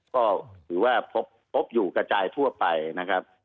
ก็ถือว่าพบอยู่กระจายทั่วไปนะครับ